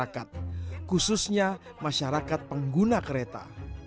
khususnya masyarakat pengguna kereta